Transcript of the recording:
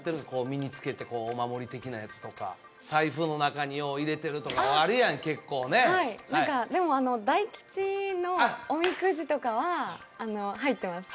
身につけてお守り的なやつとか財布の中によう入れてるとかあるやん結構ねはい何かでも大吉のおみくじとかは入ってます